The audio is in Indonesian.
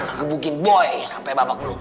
ngebukin boy sampai babak belum